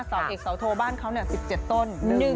เสาเอกเสาโทบ้านเขา๑๗ต้น